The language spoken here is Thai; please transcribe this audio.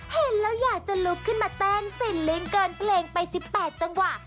เห็นแล้วอยากจะลุกขึ้นมาเต้นฟินลิงกเกินเพลงไป๑๘จังหวะ